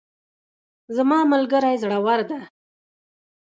زما ملګری زړور ده